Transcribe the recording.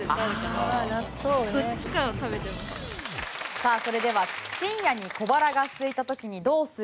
さあそれでは「深夜に小腹がすいた時にどうする？」